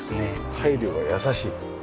配慮が優しい。